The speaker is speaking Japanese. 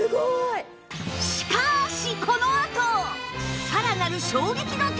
しかしこのあと！